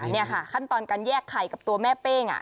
นี่ค่ะขั้นตอนการแยกไข่กับตัวแม่เป้ง